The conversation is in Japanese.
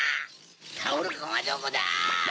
タオルくんはどこだ？